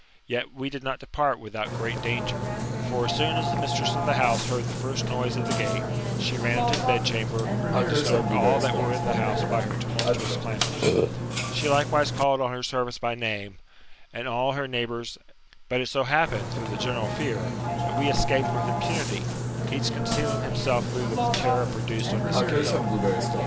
Yet we did not depart without great danger. For as soon as the mistress of the house heard the first noise of the gate, she ran into the bedchamber, and disturbed all that were in the house by her tumultuous damours. She likewise called on her servants by name, and on All her neighbours; but it so happened, through the general fear, that we escaped with impunity, each concealing himself through the terror produced on this occasion.